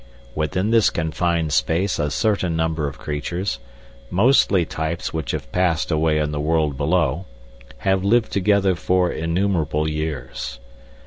Within this confined space a certain number of creatures, mostly types which have passed away in the world below, have lived together for innumerable years.